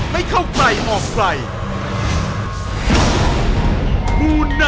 ไม่เข้าไกลออกไกล